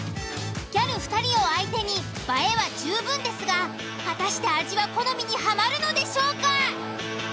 ギャル２人を相手に映えは十分ですが果たして味は好みにハマるのでしょうか？